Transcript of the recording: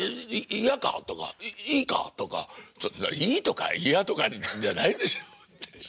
嫌か？」とか「いいか？」とかいいとか嫌とかじゃないでしょ？